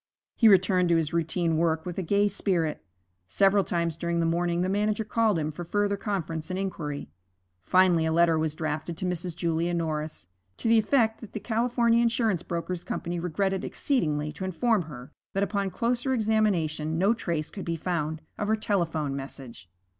He returned to his routine work with a gay spirit. Several times during the morning the manager called him for further conference and inquiry. Finally a letter was drafted to Mrs. Julia Norris, to the effect that the California Insurance Brokers' Company regretted exceedingly to inform her that upon closer examination no trace could be found of her telephone message.